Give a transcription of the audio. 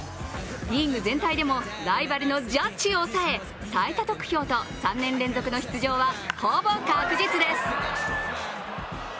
リーグ全体でもライバルのジャッジを抑え、最多得票と３年連続の出場はほぼ確実です。